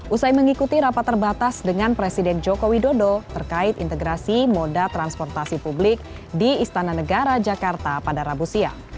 usai mengikuti rapat terbatas dengan presiden joko widodo terkait integrasi moda transportasi publik di istana negara jakarta pada rabu siang